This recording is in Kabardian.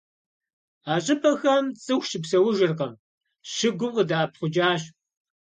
А щӏыпӏэхэм цӏыху щыпсэужыркъым, щыгум къыдэӏэпхъукӏащ.